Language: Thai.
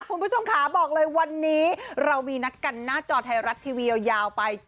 คุณผู้ชมค่ะบอกเลยวันนี้เรามีนัดกันหน้าจอไทยรัฐทีวียาวไป